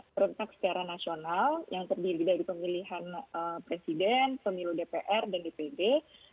serentak secara nasional yang terdiri dari pemilihan presiden pemilu dpr dan dpd